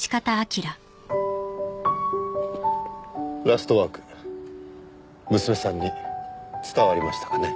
『ラストワーク』娘さんに伝わりましたかね。